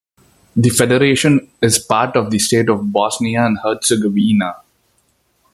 The federation is part of the state of Bosnia and Herzegovina.